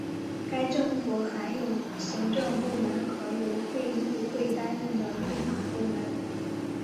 该政府含有行政部门和由议会担任的立法部门。